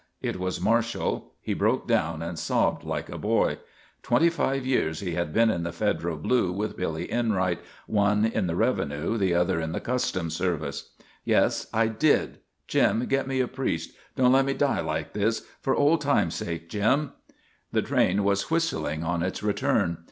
It was Marshall. He broke down and sobbed like a boy. Twenty five years he had been in the federal blue with Billy Enright, one in the revenue, the other in the customs service. "Yes I did! Jim, get me a priest! Don't let me die like this! For old time's sake, Jim!" The train was whistling on its return.